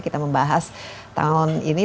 kita membahas tahun ini